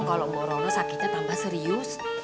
kalau bu rono sakitnya tambah serius